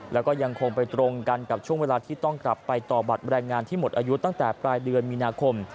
แล้วก็ยังคงไปตรงกันกับช่วงเวลาที่ต้องกลับไปต่อบัตรแรงงานที่หมดอายุตั้งแต่ปลายเดือนมีนาคม